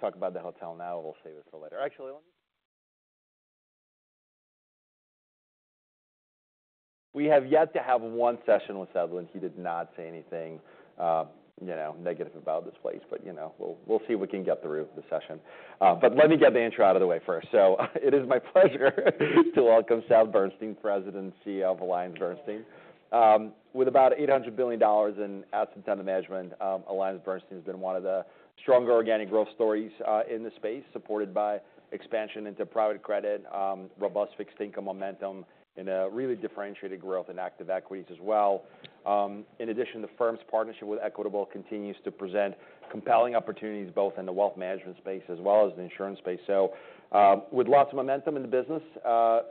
We talk about the hotel now. We'll save it for later. Actually, let me—we have yet to have one session with Seth, and he did not say anything, you know, negative about this place. But, you know, we'll see what we can get through the session. But let me get the intro out of the way first. So it is my pleasure to welcome Seth Bernstein, President and CEO of AllianceBernstein. With about $800 billion in assets under management, AllianceBernstein has been one of the stronger organic growth stories in the space, supported by expansion into private credit, robust fixed-income momentum, and really differentiated growth in active equities as well. In addition, the firm's partnership with Equitable continues to present compelling opportunities both in the wealth management space as well as the insurance space. So, with lots of momentum in the business,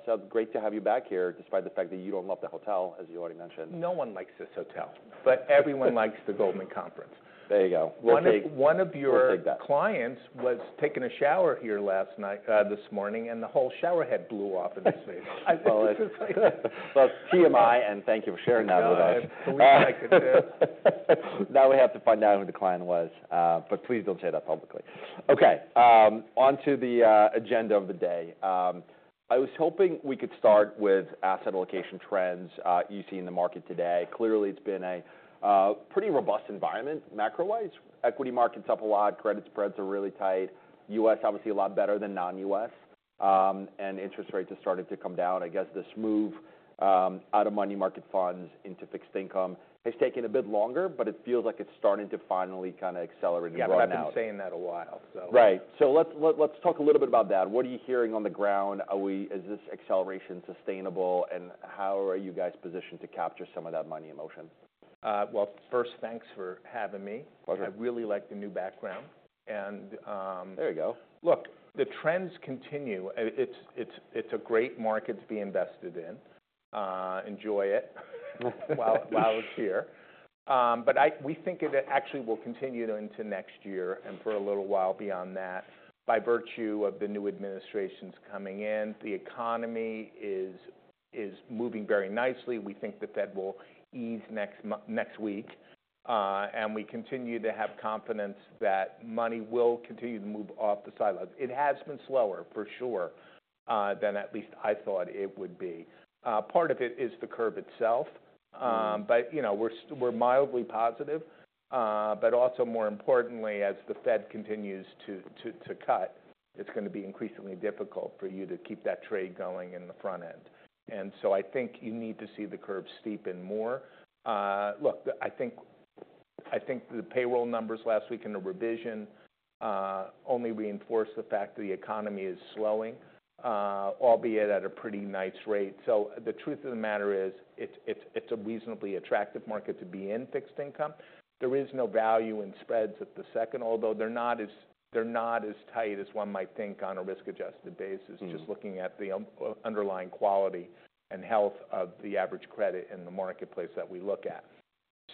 Seth, great to have you back here despite the fact that you don't love the hotel, as you already mentioned. No one likes this hotel, but everyone likes the Goldman Conference. There you go. One of your clients was taking a shower here last night, this morning, and the whole shower head blew off in this space. It's TMI, and thank you for sharing that with us. believe I could. Now we have to find out who the client was. But please don't say that publicly. Okay. Onto the agenda of the day. I was hoping we could start with asset allocation trends you see in the market today. Clearly, it's been a pretty robust environment macro-wise. Equity market's up a lot. Credit spreads are really tight. U.S., obviously, a lot better than non-U.S., and interest rates are starting to come down. I guess this move out of money market funds into fixed income has taken a bit longer, but it feels like it's starting to finally kinda accelerate and get run out. Yeah, we've been saying that a while, so. Right. So let's talk a little bit about that. What are you hearing on the ground? Is this acceleration sustainable? And how are you guys positioned to capture some of that money in motion? First, thanks for having me. Pleasure. I really like the new background and, There you go. Look, the trends continue. It's a great market to be invested in. Enjoy it while it's here, but we think it actually will continue into next year and for a little while beyond that by virtue of the new administration's coming in. The economy is moving very nicely. We think the Fed will ease next week, and we continue to have confidence that money will continue to move off the sidelines. It has been slower, for sure, than at least I thought it would be. Part of it is the curve itself. Mm-hmm. But, you know, we're mildly positive. But also, more importantly, as the Fed continues to cut, it's gonna be increasingly difficult for you to keep that trade going in the front end. And so I think you need to see the curve steepen more. Look, I think the payroll numbers last week in the revision only reinforce the fact that the economy is slowing, albeit at a pretty nice rate. So the truth of the matter is it's a reasonably attractive market to be in fixed income. There is no value in spreads at present, although they're not as tight as one might think on a risk-adjusted basis. Mm-hmm. Just looking at the underlying quality and health of the average credit in the marketplace that we look at.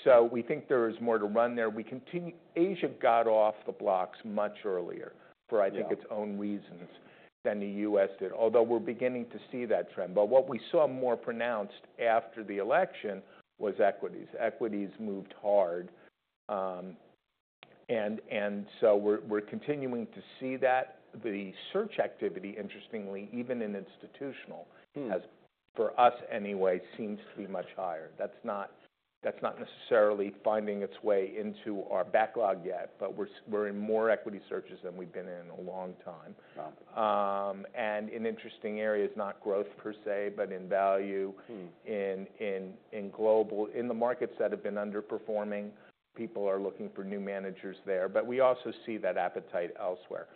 So we think there is more to run there. We continue Asia got off the blocks much earlier for, I think. Yeah. Its own reasons than the U.S. did, although we're beginning to see that trend, but what we saw more pronounced after the election was equities. Equities moved hard, and so we're continuing to see that. The search activity, interestingly, even in institutional. As for us anyway, seems to be much higher. That's not necessarily finding its way into our backlog yet, but we're in more equity searches than we've been in a long time. Wow. And an interesting area is not growth per se, but in value. In global, in the markets that have been underperforming, people are looking for new managers there. But we also see that appetite elsewhere.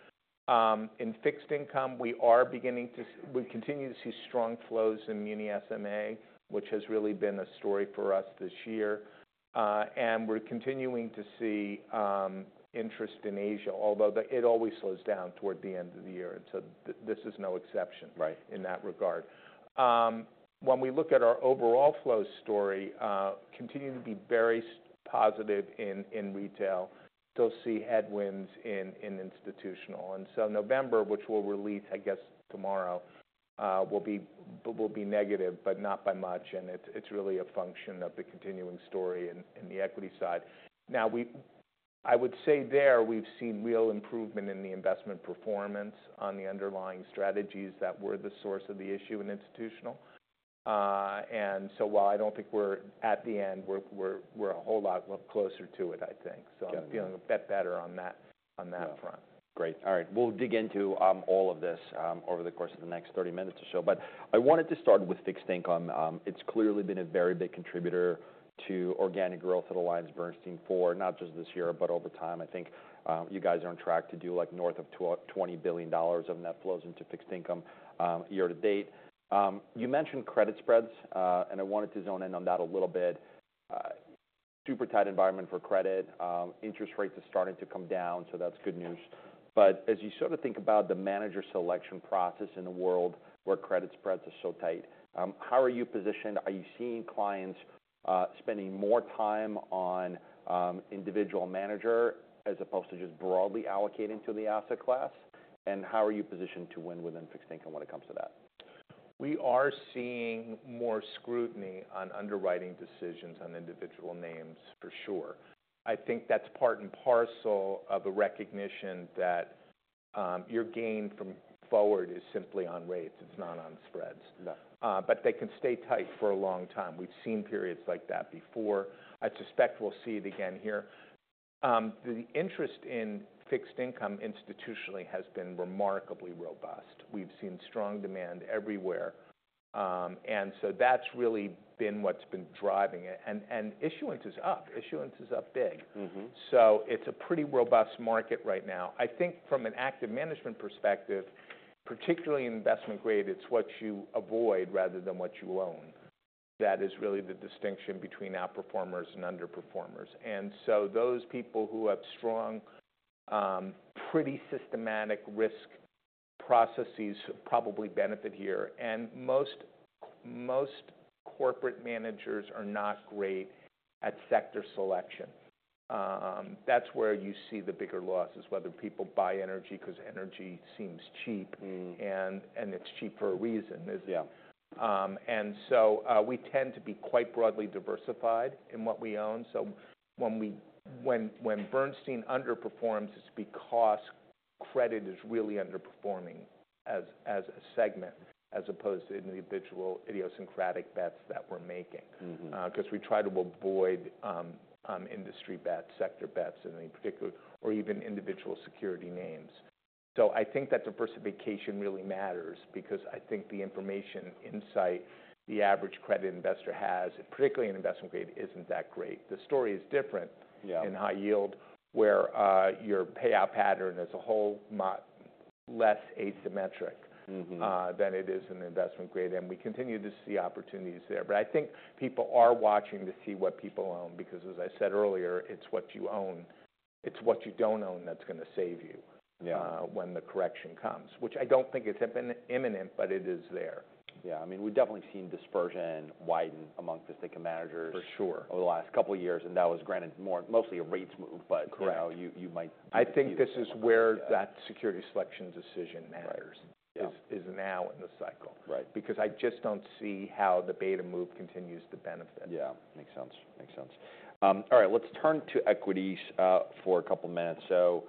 In fixed income, we are beginning to see, we continue to see strong flows in muni SMA, which has really been a story for us this year. And we're continuing to see interest in Asia, although it always slows down toward the end of the year. And so this is no exception. Right. In that regard, when we look at our overall flow story, continue to be very positive in retail. Still see headwinds in institutional. And so November, which will release, I guess, tomorrow, will be negative, but not by much. And it's really a function of the continuing story in the equity side. Now, I would say there we've seen real improvement in the investment performance on the underlying strategies that were the source of the issue in institutional. And so while I don't think we're at the end, we're a whole lot closer to it, I think. Gotcha. So I'm feeling a bit better on that front. Yeah. Great. All right. We'll dig into all of this over the course of the next 30 minutes or so. But I wanted to start with fixed income. It's clearly been a very big contributor to organic growth at AllianceBernstein for not just this year, but over time. I think you guys are on track to do like north of $20 billion of net flows into fixed income year to date. You mentioned credit spreads, and I wanted to zone in on that a little bit. Super tight environment for credit. Interest rates are starting to come down, so that's good news. But as you sort of think about the manager selection process in a world where credit spreads are so tight, how are you positioned? Are you seeing clients spending more time on individual manager as opposed to just broadly allocating to the asset class? How are you positioned to win within fixed income when it comes to that? We are seeing more scrutiny on underwriting decisions on individual names, for sure. I think that's part and parcel of a recognition that, your gain from forward is simply on rates. It's not on spreads. Yeah. But they can stay tight for a long time. We've seen periods like that before. I suspect we'll see it again here. The interest in fixed income institutionally has been remarkably robust. We've seen strong demand everywhere, and so that's really been what's been driving it. And issuance is up. Issuance is up big. Mm-hmm. So it's a pretty robust market right now. I think from an active management perspective, particularly in investment grade, it's what you avoid rather than what you own. That is really the distinction between outperformers and underperformers. And so those people who have strong, pretty systematic risk processes probably benefit here. And most, most corporate managers are not great at sector selection. That's where you see the bigger losses, whether people buy energy 'cause energy seems cheap. And, and it's cheap for a reason. Yeah. We tend to be quite broadly diversified in what we own. So when Bernstein underperforms, it's because credit is really underperforming as a segment as opposed to individual idiosyncratic bets that we're making. Mm-hmm. ’Cause we try to avoid industry bets, sector bets, and in particular, or even individual security names. So I think that diversification really matters because I think the information insight the average credit investor has, particularly in investment grade, isn’t that great. The story is different. Yeah. In high yield, where your payout pattern as a whole is less asymmetric. Mm-hmm. than it is in investment grade. And we continue to see opportunities there. But I think people are watching to see what people own because, as I said earlier, it's what you own, it's what you don't own that's gonna save you. Yeah. When the correction comes, which I don't think it's imminent, but it is there. Yeah. I mean, we've definitely seen dispersion widen among fixed income managers. For sure. Over the last couple of years and that was, granted, more or less a rates move, but. Correct. You might. I think this is where that security selection decision matters. Right. Yeah. Is now in the cycle. Right. Because I just don't see how the beta move continues to benefit. Yeah. Makes sense. Makes sense. All right. Let's turn to equities for a couple of minutes. So,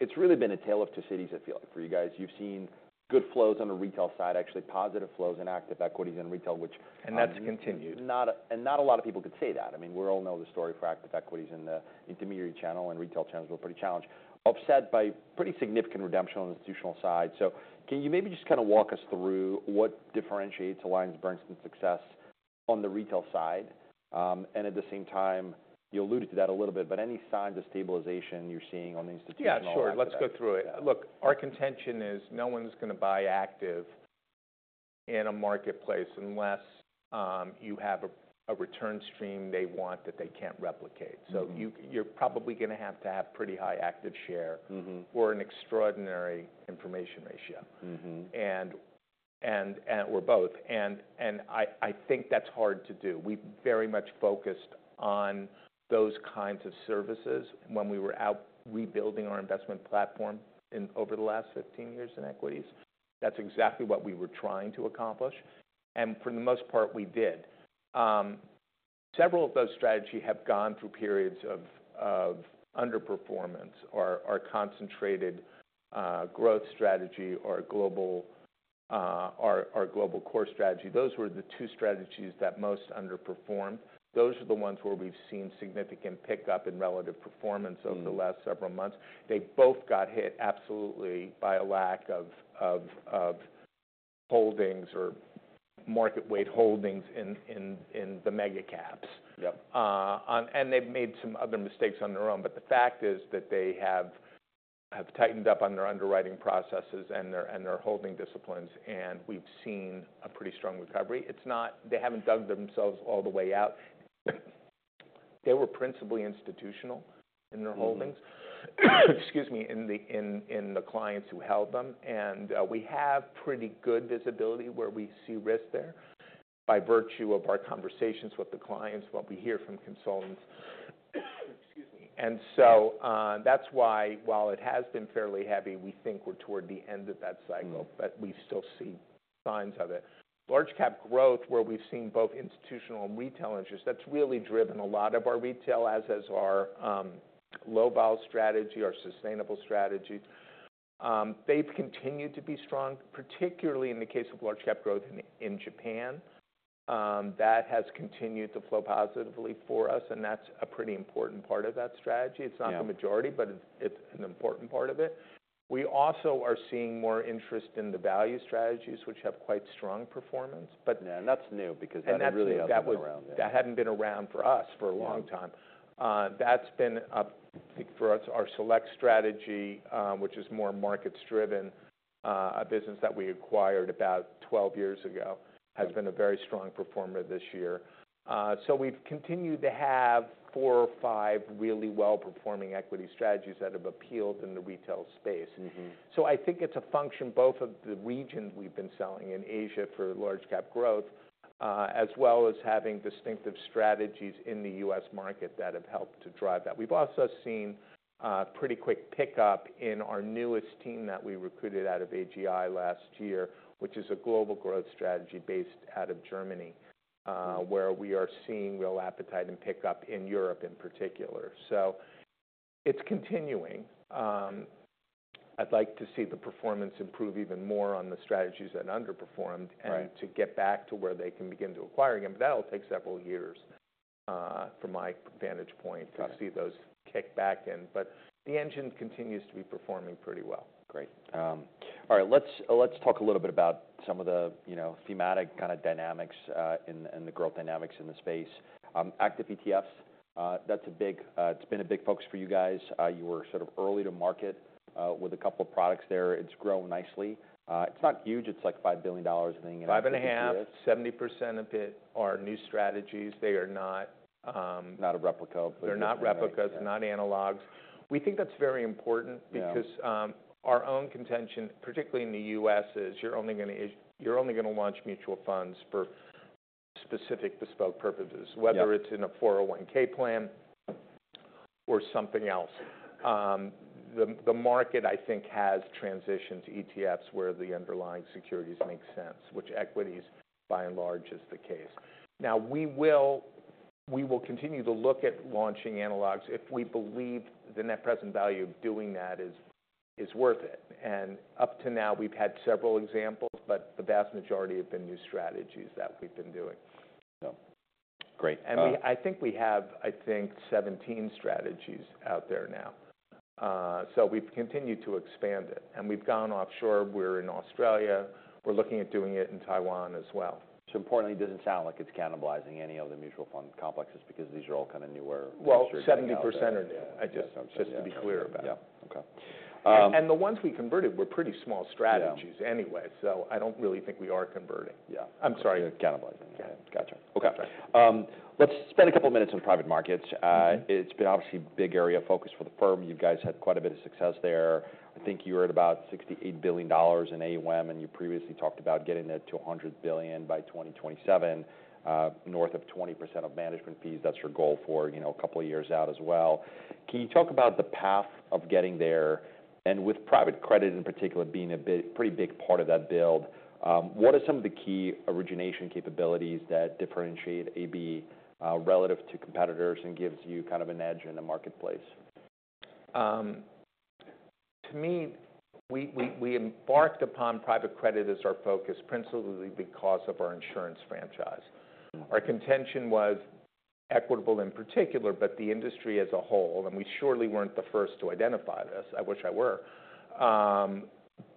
it's really been a tale of two cities, I feel like, for you guys. You've seen good flows on the retail side, actually positive flows in active equities and retail, which. That's continued. Not a lot of people could say that. I mean, we all know the story for active equities in the intermediary channel and retail channels were pretty challenged, offset by pretty significant redemption on the institutional side. So can you maybe just kinda walk us through what differentiates AllianceBernstein's success on the retail side, and at the same time, you alluded to that a little bit, but any signs of stabilization you're seeing on the institutional side? Yeah. Sure. Let's go through it. Look, our contention is no one's gonna buy active in a marketplace unless you have a, a return stream they want that they can't replicate. Mm-hmm. So you're probably gonna have to have pretty high active share. Mm-hmm. Or an extraordinary information ratio. Mm-hmm. And/or both. And I think that's hard to do. We've very much focused on those kinds of services when we were out rebuilding our investment platform over the last 15 years in equities. That's exactly what we were trying to accomplish. And for the most part, we did. Several of those strategies have gone through periods of underperformance or Concentrated Growth strategy or Global Core strategy. Those were the two strategies that most underperformed. Those are the ones where we've seen significant pickup in relative performance over the last several months. Mm-hmm. They both got hit absolutely by a lack of holdings or market weight holdings in the mega caps. Yep. and they've made some other mistakes on their own. But the fact is that they have tightened up on their underwriting processes and their holding disciplines. And we've seen a pretty strong recovery. It's not - they haven't dug themselves all the way out. They were principally institutional in their holdings. Mm-hmm. Excuse me, in the clients who held them. And we have pretty good visibility where we see risk there by virtue of our conversations with the clients, what we hear from consultants. Excuse me. And so, that's why while it has been fairly heavy, we think we're toward the end of that cycle. Mm-hmm. But we still see signs of it. Large Cap Growth where we've seen both institutional and retail interest, that's really driven a lot of our retail as is our low-vol strategy, our sustainable strategy. They've continued to be strong, particularly in the case of Large Cap Growth in Japan. That has continued to flow positively for us. And that's a pretty important part of that strategy. Yeah. It's not the majority, but it's, it's an important part of it. We also are seeing more interest in the value strategies, which have quite strong performance, but. Yeah, and that's new because that hadn't really ever been around there. And that hadn't been around for us for a long time. Yeah. That's been, for us, our Select strategy, which is more markets driven, a business that we acquired about 12 years ago. Mm-hmm. Has been a very strong performer this year. So we've continued to have four or five really well-performing equity strategies that have appealed in the retail space. Mm-hmm. So I think it's a function both of the regions we've been selling in Asia for Large Cap Growth, as well as having distinctive strategies in the U.S. market that have helped to drive that. We've also seen, pretty quick pickup in our newest team that we recruited out of AGI last year, which is a global growth strategy based out of Germany. Mm-hmm. where we are seeing real appetite and pickup in Europe in particular. So it's continuing. I'd like to see the performance improve even more on the strategies that underperformed. Right. To get back to where they can begin to acquire again. That'll take several years, from my vantage point. Gotcha. To see those kick back in. But the engine continues to be performing pretty well. Great. All right. Let's talk a little bit about some of the, you know, thematic kinda dynamics, in the growth dynamics in the space. Active ETFs, that's a big, it's been a big focus for you guys. You were sort of early to market, with a couple of products there. It's grown nicely. It's not huge. It's like $5 billion in the ETFs. 5.5. 70% of it are new strategies. They are not, Not a replica, but. They're not replicas. Yeah. Not analogs. We think that's very important. Yeah. Because our own contention, particularly in the U.S., is you're only gonna launch mutual funds for specific bespoke purposes. Mm-hmm. Whether it's in a 401(k) plan or something else. The market, I think, has transitioned to ETFs where the underlying securities make sense, which equities, by and large, is the case. Now, we will continue to look at launching analogs if we believe the net present value of doing that is worth it. And up to now, we've had several examples, but the vast majority have been new strategies that we've been doing. Yeah. Great. And we, I think we have, I think, 17 strategies out there now. So we've continued to expand it. And we've gone offshore. We're in Australia. We're looking at doing it in Taiwan as well. So importantly, it doesn't sound like it's cannibalizing any of the mutual fund complexes because these are all kinda newer. 70% are new. I just, I'm sorry. Just to be clear about it. Yeah. Okay. The ones we converted were pretty small strategies anyway, so I don't really think we are converting. Yeah. I'm sorry. You're cannibalizing. Go ahead. Gotcha. Okay. Sorry. Let's spend a couple of minutes on private markets. It's been obviously a big area of focus for the firm. You guys had quite a bit of success there. I think you were at about $68 billion in AUM, and you previously talked about getting it to $100 billion by 2027, north of 20% of management fees. That's your goal for, you know, a couple of years out as well. Can you talk about the path of getting there? And with private credit in particular being a big, pretty big part of that build, what are some of the key origination capabilities that differentiate AB, relative to competitors and gives you kind of an edge in the marketplace? To me, we embarked upon private credit as our focus principally because of our insurance franchise. Mm-hmm. Our contention was Equitable in particular, but the industry as a whole, and we surely weren't the first to identify this. I wish I were,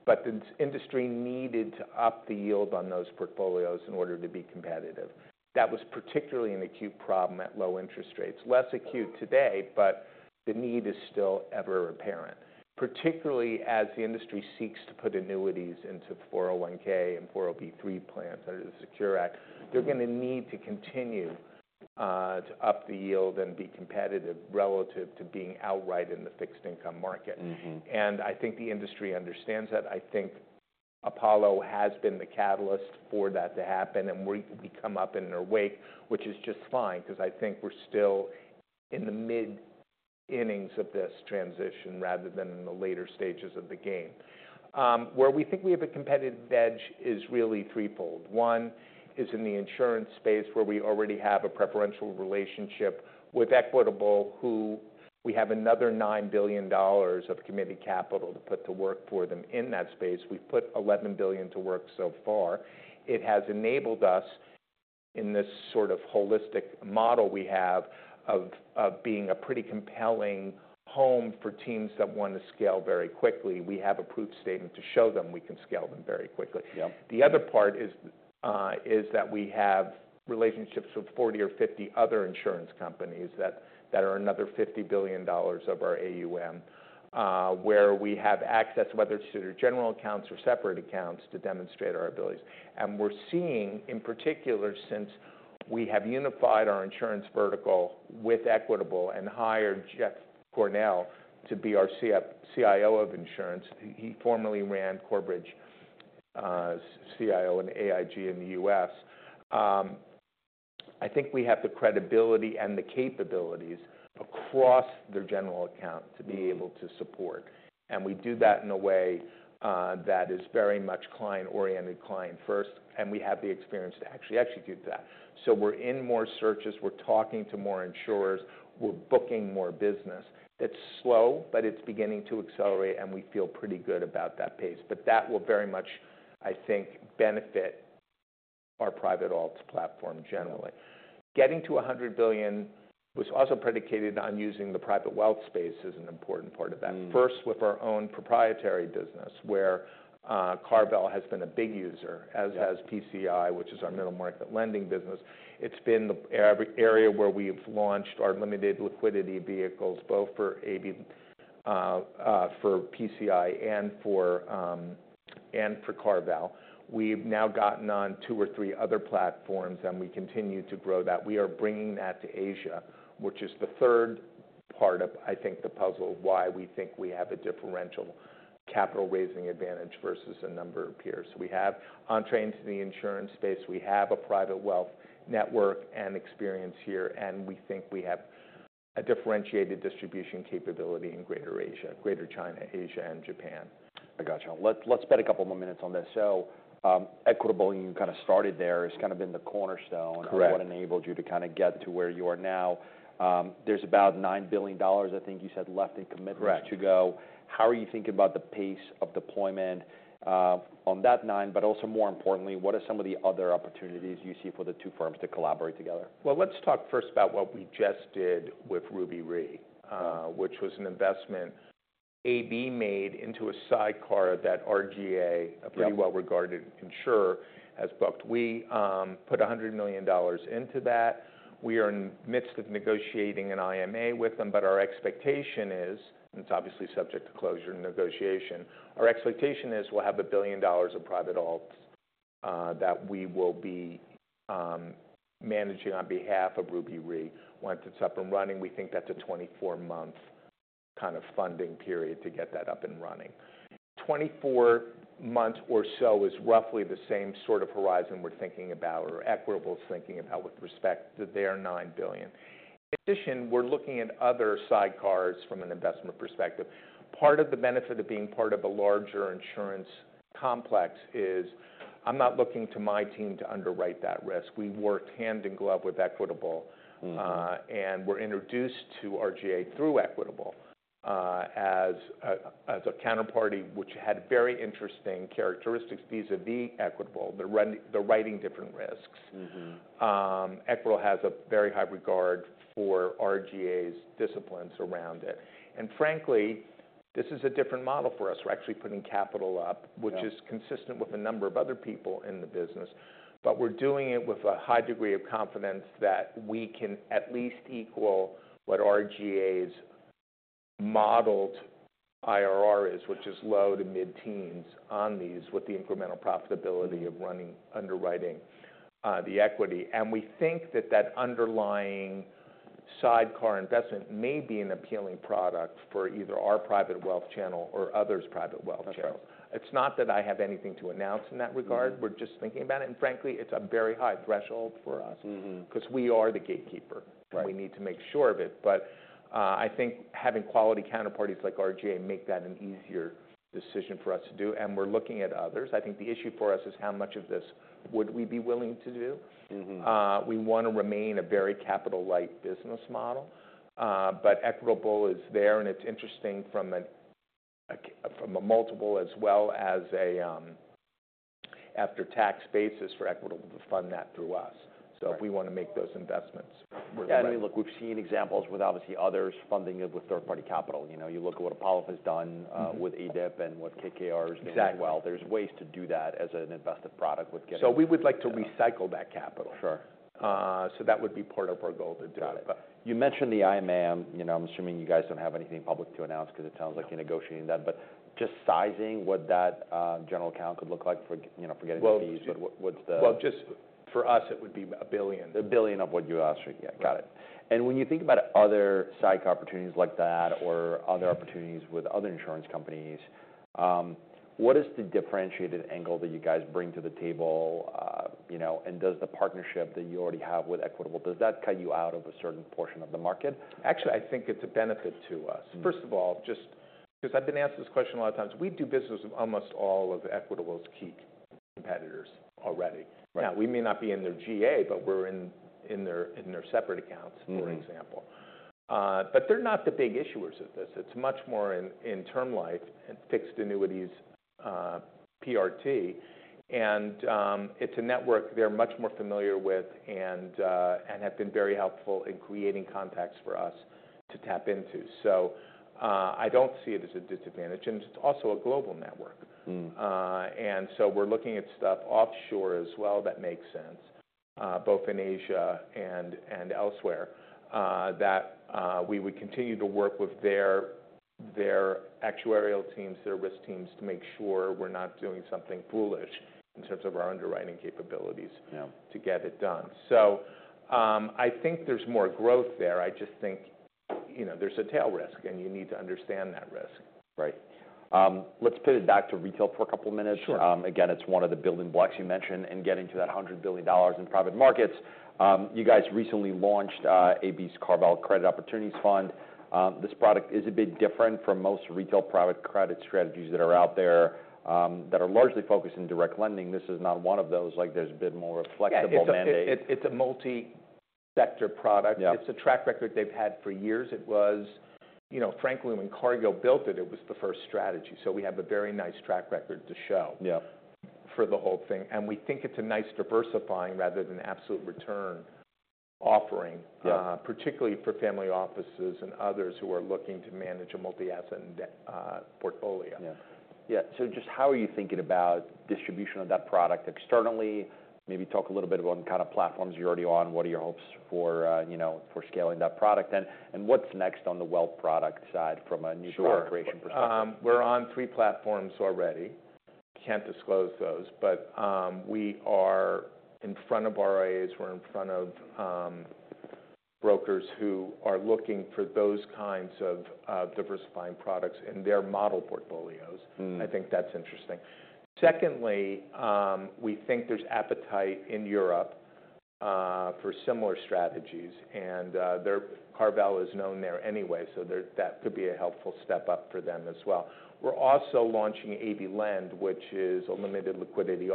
but the industry needed to up the yield on those portfolios in order to be competitive. That was particularly an acute problem at low interest rates. Less acute today, but the need is still ever apparent, particularly as the industry seeks to put annuities into 401(k) and 403(b) plans under the SECURE Act. They're gonna need to continue, to up the yield and be competitive relative to being outright in the fixed income market. Mm-hmm. And I think the industry understands that. I think Apollo has been the catalyst for that to happen. And we come up in their wake, which is just fine 'cause I think we're still in the mid-innings of this transition rather than in the later stages of the game. Where we think we have a competitive edge is really threefold. One is in the insurance space where we already have a preferential relationship with Equitable, who we have another $9 billion of committee capital to put to work for them in that space. We've put $11 billion to work so far. It has enabled us in this sort of holistic model we have of being a pretty compelling home for teams that wanna scale very quickly. We have a proof statement to show them we can scale them very quickly. Yep. The other part is that we have relationships with 40 or 50 other insurance companies that are another $50 billion of our AUM, where we have access, whether it's to their general accounts or separate accounts, to demonstrate our abilities. And we're seeing, in particular, since we have unified our insurance vertical with Equitable and hired Geoff Cornell to be our CIO of insurance. He formerly ran Corebridge CIO and AIG in the U.S. I think we have the credibility and the capabilities across their general account to be able to support. And we do that in a way that is very much client-oriented, client-first. And we have the experience to actually execute that. So we're in more searches. We're talking to more insurers. We're booking more business. It's slow, but it's beginning to accelerate. And we feel pretty good about that pace. But that will very much, I think, benefit our private alts platform generally. Getting to $100 billion was also predicated on using the private wealth space as an important part of that. Mm-hmm. First with our own proprietary business where CarVal has been a big user as has PCI, which is our middle market lending business. It's been the area where we've launched our limited liquidity vehicles both for AB, for PCI, and for CarVal. We've now gotten on two or three other platforms, and we continue to grow that. We are bringing that to Asia, which is the third part of, I think, the puzzle of why we think we have a differential capital-raising advantage versus a number of peers, so we have entree into the insurance space. We have a private wealth network and experience here, and we think we have a differentiated distribution capability in Greater Asia, Greater China, Asia, and Japan. I gotcha. Let's bet a couple more minutes on this. So, Equitable, you kinda started there. It's kinda been the cornerstone. Correct. Of what enabled you to kinda get to where you are now. There's about $9 billion, I think you said, left in commitments. Correct. To go. How are you thinking about the pace of deployment, on that nine? But also more importantly, what are some of the other opportunities you see for the two firms to collaborate together? Let's talk first about what we just did with Ruby Re, which was an investment AB made into a sidecar that RGA, a pretty well-regarded insurer, has booked. We put $100 million into that. We are in the midst of negotiating an IMA with them. But our expectation is, and it's obviously subject to closure and negotiation, our expectation is we'll have $1 billion of private alts that we will be managing on behalf of Ruby Re once it's up and running. We think that's a 24-month kind of funding period to get that up and running. 24 months or so is roughly the same sort of horizon we're thinking about or Equitable's thinking about with respect to their $9 billion. In addition, we're looking at other sidecars from an investment perspective. Part of the benefit of being part of a larger insurance complex is I'm not looking to my team to underwrite that risk. We worked hand in glove with Equitable. Mm-hmm. and were introduced to RGA through Equitable, as a counterparty which had very interesting characteristics vis-à-vis Equitable. They're running, they're writing different risks. Mm-hmm. Equitable has a very high regard for RGA's disciplines around it, and frankly, this is a different model for us. We're actually putting capital up. Mm-hmm. Which is consistent with a number of other people in the business. But we're doing it with a high degree of confidence that we can at least equal what RGA's modeled IRR is, which is low to mid-teens on these with the incremental profitability of running underwriting, the equity. And we think that that underlying sidecar investment may be an appealing product for either our private wealth channel or others' private wealth channels. Gotcha. It's not that I have anything to announce in that regard. Mm-hmm. We're just thinking about it, and frankly, it's a very high threshold for us. Mm-hmm. 'Cause we are the gatekeeper. Right. We need to make sure of it. I think having quality counterparties like RGA make that an easier decision for us to do. We're looking at others. I think the issue for us is how much of this would we be willing to do. Mm-hmm. We wanna remain a very capital-light business model, but Equitable is there, and it's interesting from a multiple as well as an after-tax basis for Equitable to fund that through us. Mm-hmm. So if we wanna make those investments. And we've seen examples with, obviously, others funding it with third-party capital. You know, you look at what Apollo has done with ADIP and what KKR has done as well. Exactly. There's ways to do that as an investment product with getting. We would like to recycle that capital. Sure. So that would be part of our goal to do it. Got it. But. You mentioned the IMA. You know, I'm assuming you guys don't have anything public to announce 'cause it sounds like you're negotiating that. But just sizing what that general account could look like for, you know, for getting the fees. Well, it's. But what's the? Just for us, it would be $1 billion. A billion of what you asked for. Yeah. Got it. And when you think about other sidecar opportunities like that or other opportunities with other insurance companies, what is the differentiated angle that you guys bring to the table? You know, and does the partnership that you already have with Equitable, does that cut you out of a certain portion of the market? Actually, I think it's a benefit to us. Mm-hmm. First of all, just 'cause I've been asked this question a lot of times. We do business with almost all of Equitable's key competitors already. Right. Now, we may not be in their GA, but we're in their separate accounts, for example. Mm-hmm. But they're not the big issuers of this. It's much more in term life and fixed annuities, PRT. And it's a network they're much more familiar with and have been very helpful in creating contacts for us to tap into. So I don't see it as a disadvantage. And it's also a global network. Mm-hmm. And so we're looking at stuff offshore as well that makes sense, both in Asia and elsewhere, that we would continue to work with their actuarial teams, their risk teams to make sure we're not doing something foolish in terms of our underwriting capabilities. Yeah. To get it done. So, I think there's more growth there. I just think, you know, there's a tail risk. And you need to understand that risk. Right. Let's pivot back to retail for a couple of minutes. Sure. Again, it's one of the building blocks you mentioned in getting to that $100 billion in private markets. You guys recently launched AB CarVal Credit Opportunities Fund. This product is a bit different from most retail private credit strategies that are out there, that are largely focused in direct lending. This is not one of those. Like, there's a bit more of a flexible mandate. It's a multi-sector product. Yeah. It's a track record they've had for years. It was, you know, frankly, when CarVal built it, it was the first strategy. So we have a very nice track record to show. Yep. For the whole thing. And we think it's a nice diversifying rather than absolute return offering. Yeah. particularly for family offices and others who are looking to manage a multi-asset index portfolio. Yeah. Yeah. So just how are you thinking about distribution of that product externally? Maybe talk a little bit about kinda platforms you're already on. What are your hopes for, you know, for scaling that product? And what's next on the wealth product side from a new. Sure. Partner creation perspective? We're on three platforms already. Can't disclose those. But, we are in front of RIAs. We're in front of, brokers who are looking for those kinds of, diversifying products in their model portfolios. Mm-hmm. I think that's interesting. Secondly, we think there's appetite in Europe for similar strategies. And their CarVal is known there anyway. So that could be a helpful step up for them as well. We're also launching AB Lend, which is a limited liquidity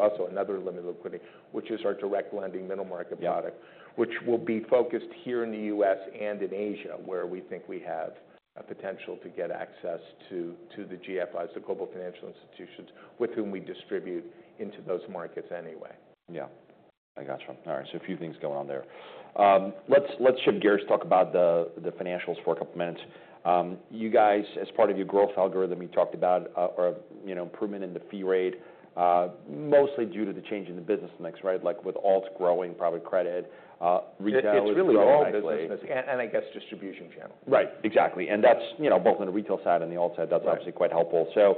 direct lending middle market product. Yeah. Which will be focused here in the U.S. and in Asia where we think we have a potential to get access to, to the GFIs, the Global Financial Institutions, with whom we distribute into those markets anyway. Yeah. I gotcha. All right. So a few things going on there. Let's shift gears to talk about the financials for a couple of minutes. You guys, as part of your growth algorithm, you talked about, or you know, improvement in the fee rate, mostly due to the change in the business mix, right? Like with alts growing, private credit, retail. It's really all business mix. Growing business mix. And I guess distribution channel. Right. Exactly. And that's, you know, both on the retail side and the alts side. Right. That's obviously quite helpful. So,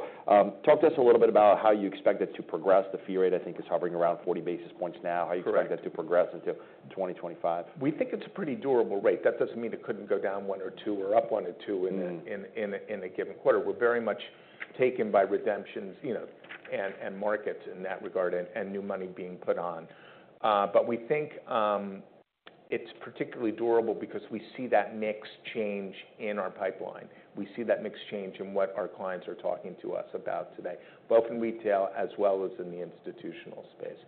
talk to us a little bit about how you expect it to progress. The fee rate, I think, is hovering around 40 basis points now. Correct. How you expect that to progress into 2025? We think it's a pretty durable rate. That doesn't mean it couldn't go down one or two or up one or two in a. Mm-hmm. In a given quarter. We're very much taken by redemptions, you know, and markets in that regard and new money being put on. But we think it's particularly durable because we see that mix change in our pipeline. We see that mix change in what our clients are talking to us about today, both in retail as well as in the institutional space.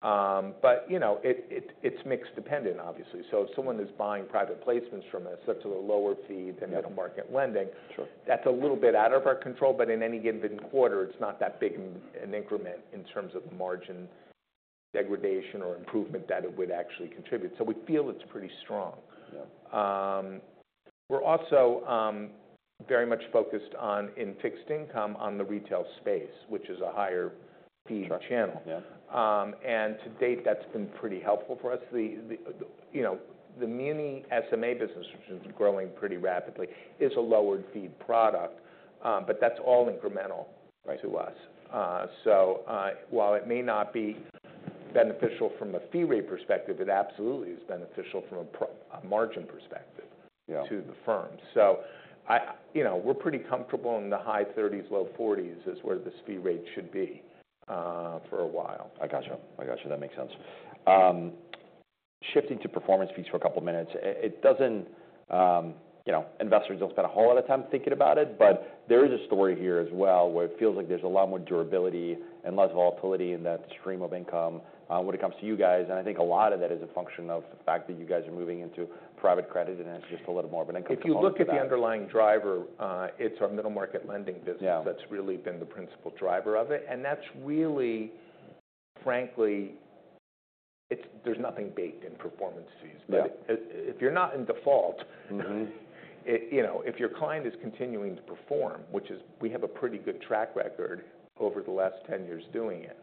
But, you know, it's mix dependent, obviously. So if someone is buying private placements from us at a lower fee than middle market lending. Yeah. Sure. That's a little bit out of our control. But in any given quarter, it's not that big an increment in terms of the margin degradation or improvement that it would actually contribute. So we feel it's pretty strong. Yeah. We're also very much focused, in fixed income, on the retail space, which is a higher fee channel. Sure. Yeah. And to date, that's been pretty helpful for us. The you know, the Muni SMA business, which is growing pretty rapidly, is a lowered fee product. But that's all incremental. Right. To us, so while it may not be beneficial from a fee rate perspective, it absolutely is beneficial from a profit margin perspective. Yeah. To the firm. So I, you know, we're pretty comfortable in the high 30s, low 40s is where this fee rate should be for a while. I gotcha. I gotcha. That makes sense. Shifting to performance fees for a couple of minutes. It, it doesn't, you know, investors don't spend a whole lot of time thinking about it. But there is a story here as well where it feels like there's a lot more durability and less volatility in that stream of income, when it comes to you guys. And I think a lot of that is a function of the fact that you guys are moving into private credit. And it's just a little more of an incremental fee. If you look at the underlying driver, it's our middle market lending business. Yeah. That's really been the principal driver of it. And that's really, frankly, it's, there's nothing baked in performance fees. Yeah. But if you're not in default. Mm-hmm. You know, if your client is continuing to perform, which is we have a pretty good track record over the last 10 years doing it,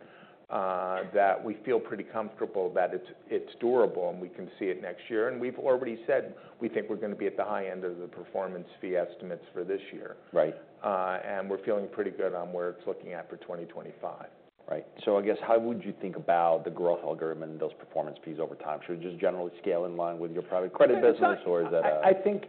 that we feel pretty comfortable that it's durable. And we can see it next year. And we've already said we think we're gonna be at the high end of the performance fee estimates for this year. Right. And we're feeling pretty good on where it's looking at for 2025. Right. So I guess how would you think about the growth algorithm and those performance fees over time? Should it just generally scale in line with your private credit business? It's a. Or is that? I think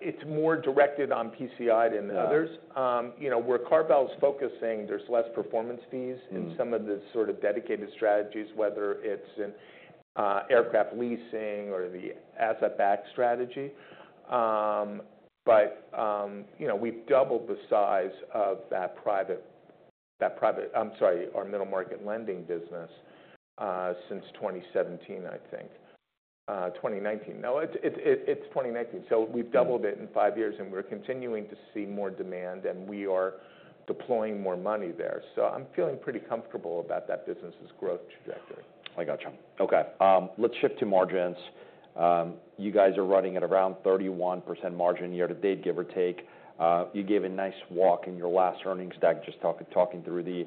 it's more directed on PCI than others. Yeah. You know, where CarVal's focusing, there's less performance fees. Mm-hmm. In some of the sort of dedicated strategies, whether it's in aircraft leasing or the asset-backed strategy. But you know, we've doubled the size of that private, I'm sorry, our middle market lending business, since 2017, I think. 2019. No, it's 2019. So we've doubled it in five years. And we're continuing to see more demand. And we are deploying more money there. So I'm feeling pretty comfortable about that business's growth trajectory. I gotcha. Okay. Let's shift to margins. You guys are running at around 31% margin year to date, give or take. You gave a nice walk in your last earnings deck just talking, talking through the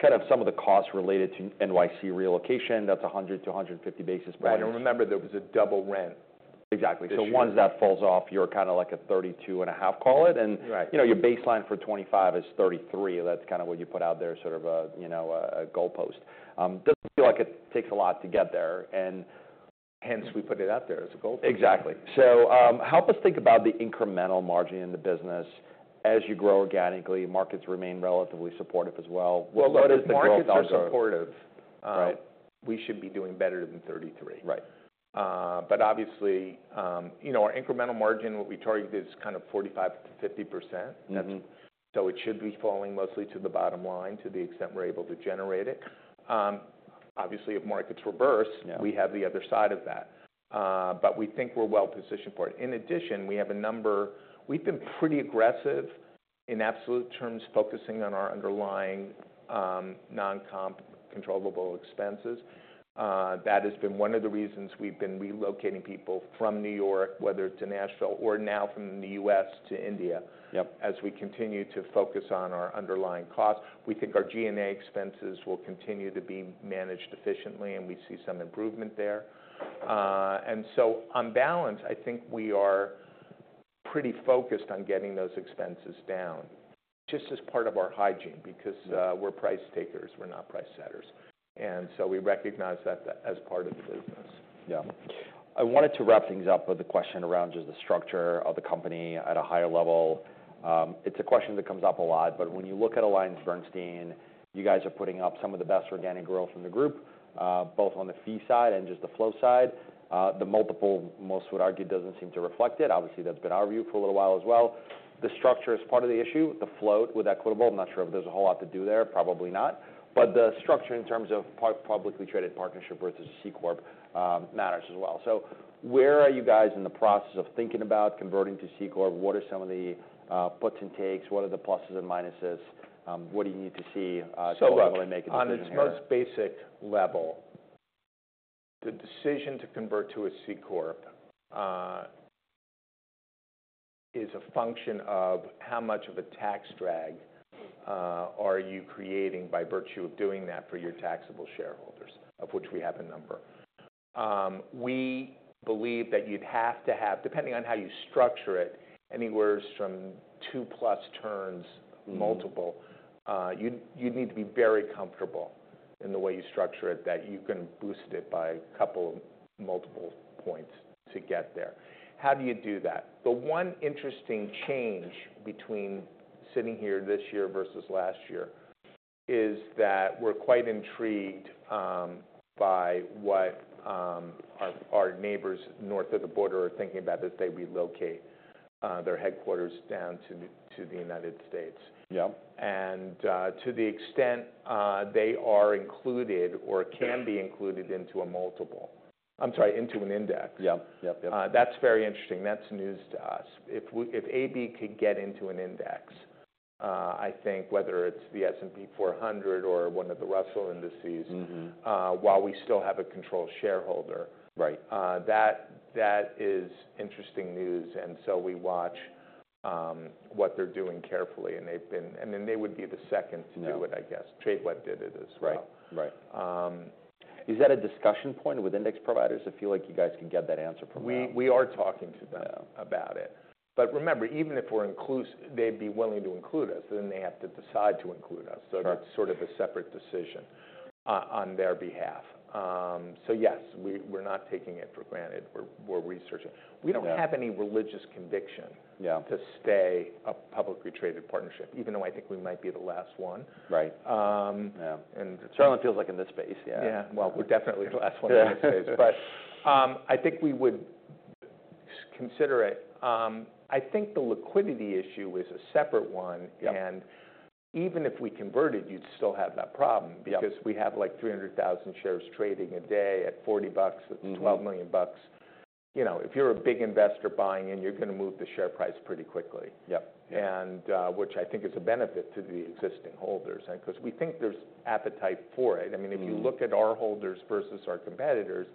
kind of some of the costs related to NYC relocation. That's 100-150 basis points. Right. And remember, there was a double rent. Exactly. So once that falls off, you're kinda like a 32.5, call it. And. Right. You know, your baseline for 2025 is 33. That's kinda what you put out there, sort of a, you know, a, a goalpost. Doesn't feel like it takes a lot to get there, and hence, we put it out there as a goalpost. Exactly. So, help us think about the incremental margin in the business as you grow organically. Markets remain relatively supportive as well. Look, the markets are supportive. But what is the goalpost? We should be doing better than 33. Right. But obviously, you know, our incremental margin, what we target is kinda 45%-50%. Mm-hmm. So it should be falling mostly to the bottom line to the extent we're able to generate it. Obviously, if markets reverse. Yeah. We have the other side of that, but we think we're well-positioned for it. In addition, we have a number we've been pretty aggressive in absolute terms focusing on our underlying, non-comp controllable expenses. That has been one of the reasons we've been relocating people from New York, whether to Nashville, or now from the U.S. to India. Yep. As we continue to focus on our underlying costs. We think our G&A expenses will continue to be managed efficiently. And we see some improvement there. And so on balance, I think we are pretty focused on getting those expenses down just as part of our hygiene because. Yeah. We're price takers. We're not price setters, and so we recognize that as part of the business. Yeah. I wanted to wrap things up with a question around just the structure of the company at a higher level. It's a question that comes up a lot. But when you look at AllianceBernstein, you guys are putting up some of the best organic growth from the group, both on the fee side and just the flow side. The multiple, most would argue, doesn't seem to reflect it. Obviously, that's been our view for a little while as well. The structure is part of the issue. The float with Equitable, I'm not sure if there's a whole lot to do there. Probably not. But the structure in terms of publicly traded partnership versus C-Corp, matters as well. So where are you guys in the process of thinking about converting to C-Corp? What are some of the, puts and takes? What are the pluses and minuses? What do you need to see, to ultimately make a decision? So on its most basic level, the decision to convert to a C-Corp is a function of how much of a tax drag are you creating by virtue of doing that for your taxable shareholders, of which we have a number. We believe that you'd have to have, depending on how you structure it, anywhere from two-plus turns. Mm-hmm. Multiple. You'd need to be very comfortable in the way you structure it that you can boost it by a couple of multiple points to get there. How do you do that? The one interesting change between sitting here this year versus last year is that we're quite intrigued by what our neighbors north of the border are thinking about as they relocate their headquarters down to the United States. Yep. And, to the extent, they are included or can be included into a multiple. I'm sorry, into an index. Yep. Yep. Yep. That's very interesting. That's news to us. If AB could get into an index, I think whether it's the S&P 400 or one of the Russell indices. Mm-hmm. while we still have a controlled shareholder. Right. That is interesting news, and so we watch what they're doing carefully, and they've been and then they would be the second to do it, I guess. Yeah. Tradeweb did it as well. Right. Right. Is that a discussion point with index providers? I feel like you guys can get that answer from them. We are talking to them about it. Yeah. But remember, even if we're inclusive, they'd be willing to include us. Then they have to decide to include us. Sure. So that's sort of a separate decision on their behalf. So yes, we're not taking it for granted. We're researching. We don't have any religious conviction. Yeah. To stay a publicly traded partnership, even though I think we might be the last one. Right. Yeah. And. Certainly feels like in this space. Yeah. Yeah. Well, we're definitely the last one in this space. Yeah. I think we would consider it. I think the liquidity issue is a separate one. Yeah. And even if we converted, you'd still have that problem. Yeah. Because we have like 300,000 shares trading a day at $40. Mm-hmm. That's $12 million. You know, if you're a big investor buying in, you're gonna move the share price pretty quickly. Yep. Yep. Which I think is a benefit to the existing holders. 'Cause we think there's appetite for it. I mean, if you look at our holders versus our competitors,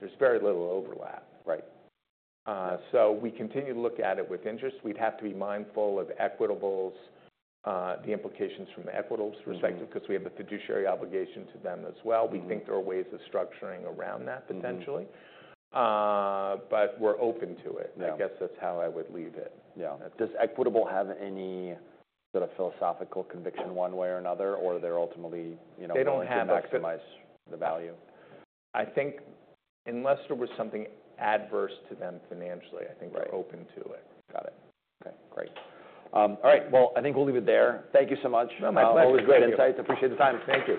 there's very little overlap. Right. So we continue to look at it with interest. We'd have to be mindful of Equitable's, the implications from the Equitable's perspective. Mm-hmm. 'Cause we have a fiduciary obligation to them as well. Mm-hmm. We think there are ways of structuring around that potentially. Mm-hmm. But we're open to it. Yeah. I guess that's how I would leave it. Yeah. Does Equitable have any sort of philosophical conviction one way or another, or they're ultimately, you know, maximize. They don't have to maximize the value. I think unless there was something adverse to them financially, I think we're open to it. Right. Got it. Okay. Great. All right. Well, I think we'll leave it there. Thank you so much. No, my pleasure. It was great insights. Appreciate the time. Thank you.